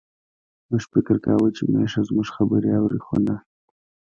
موږ فکر کاوه چې میښه زموږ خبرې اوري، خو نه.